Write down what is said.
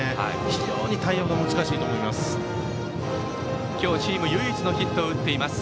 非常に対応が難しいと思います。